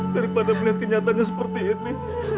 daripada melihat kenyataannya seperti ini